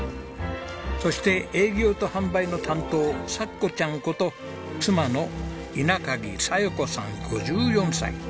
そして営業と販売の担当さっこちゃんこと妻の稲鍵佐代子さん５４歳。